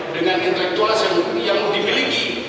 dengan intelektual yang dimiliki